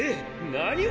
なにを！